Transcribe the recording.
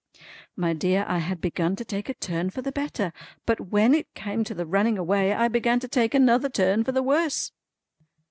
My dear I had begun to take a turn for the better, but when it come to running away I began to take another turn for the worse.